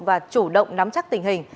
và chủ động nắm chắc tình hình